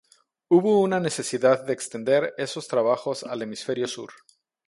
Hubo una necesidad de extender esos trabajos al Hemisferio Sur.